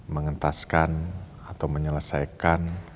mengentaskan atau menyelesaikan